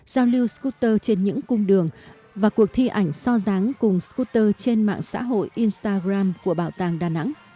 giao lưu scooter trên những cung đường và cuộc thi ảnh so ráng cùng scooter trên mạng xã hội instagram của bảo tàng đà nẵng